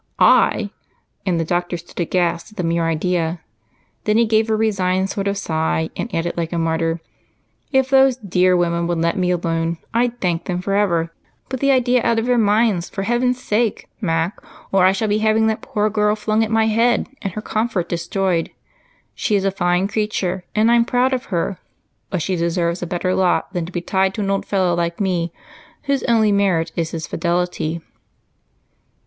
"I!" And the doctor stood aghast at the mere idea, then he gave a resigned sort of sigh and added like a martyr, "If those dear women would let me alone, I'd thank them forever. Put the idea out of their minds for heaven's sake, Mac, or I shall be having that poor girl flung at my head and her comfort destroyed. She is a fine creature and I'm proud of her, but she deserves a better lot than to be tied to an old fellow like me whose only merit is his fidelity."